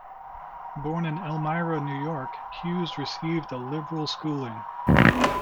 Born in Elmira, New York, Hughes received a liberal schooling.